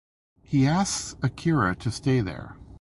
He asks Akira to stay there.